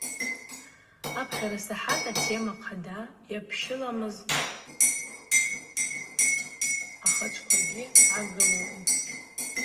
Апхьарасахӏат атема хъада йапщыламыз ахачӏвквагьи гӏагылуан.